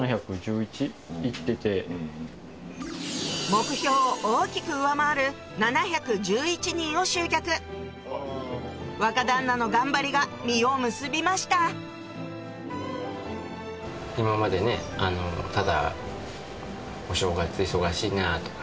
目標を大きく上回る７１１人を集客若旦那の頑張りが実を結びました今までただ。